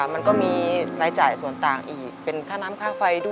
มันก็มีรายจ่ายส่วนต่างอีกเป็นค่าน้ำค่าไฟด้วย